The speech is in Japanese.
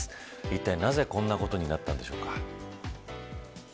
いったい、なぜこんなことになったんでしょうか。